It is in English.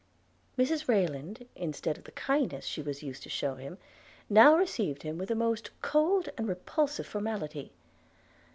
Mrs Rayland, instead of the kindness she was used to shew him, now received him with the most cold and repulsive formality.